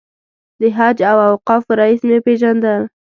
د حج او اوقافو رییس مې پېژندل.